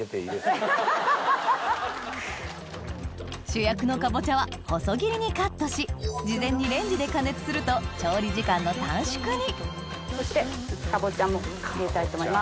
主役のかぼちゃは細切りにカットし事前にレンジで加熱すると調理時間の短縮にそしてかぼちゃも入れたいと思います。